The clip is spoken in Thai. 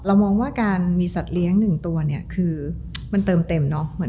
มองว่าการมีสัตว์เลี้ยงหนึ่งตัวเนี่ยคือมันเติมเต็มเนอะ